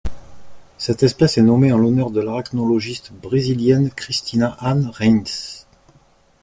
Cette espèce est nommée en l'honneur de l'arachnologiste brésilienne Cristina Anne Rheims.